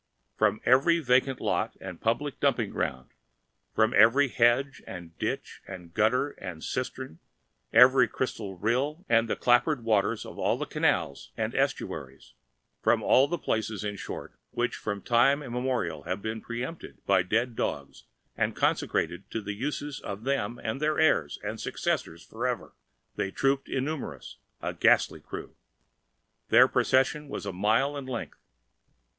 From every vacant lot and public dumping ground, from every hedge and ditch and gutter and cistern, every crystal rill and the clabbered waters of all the canals and estuaries—from all the places, in short, which from time immemorial have been preû¨mpted by dead dogs and consecrated to the uses of them and their heirs and successors forever—they trooped innumerous, a ghastly crew! Their procession was a mile in length.